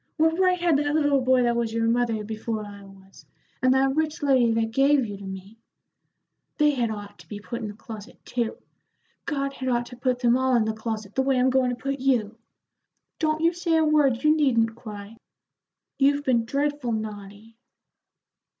What right had that little boy that was your mother before I was, and that rich lady that gave you to me? They had ought to be put in the closet, too. God had ought to put them all in the closet, the way I'm goin' to put you. Don't you say a word; you needn't cry; you've been dreadful naughty."